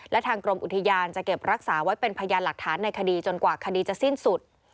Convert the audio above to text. และทางกรมอุทยานจะเก็บรักษาไว้เป็นพยานหลักฐานในคดีจนกว่าคดีจะสิ้นสุด